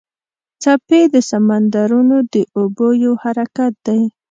څپې د سمندرونو د اوبو یو حرکت دی.